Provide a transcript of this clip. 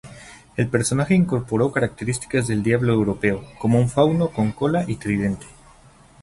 El personaje incorporó características del diablo europeo, como un fauno con cola y tridente.